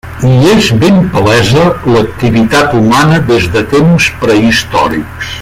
Hi és ben palesa l'activitat humana des de temps prehistòrics.